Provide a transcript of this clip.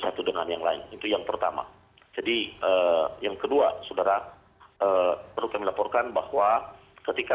satu dengan yang lain itu yang pertama jadi yang kedua saudara perlu kami laporkan bahwa ketika